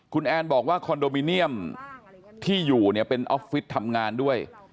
คุณแอนบอกว่าคอนโดมิเนียมที่อยู่เนี่ยเป็นออฟฟิศทำงานด้วย